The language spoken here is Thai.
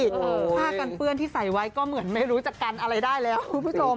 ผ้ากันเปื้อนที่ใส่ไว้ก็เหมือนไม่รู้จะกันอะไรได้แล้วคุณผู้ชม